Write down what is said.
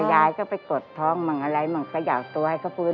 ยายก็ไปกดท้องมั่งอะไรมั่งเขย่าตัวให้เขาฟื้น